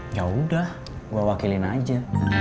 jauh udah gua gua kira kira aja